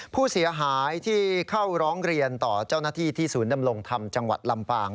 ผู้เสียหายที่เข้าร้องเรียนต่อเจ้าหน้าที่ที่ศูนย์ดำรงธรรมจังหวัดลำปาง